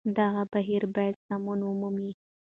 دغه بهير بايد سمون ومومي